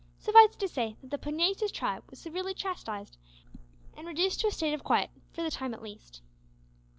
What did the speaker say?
Suffice it to say, that the pugnacious tribe was severely chastised and reduced to a state of quiet for the time at least.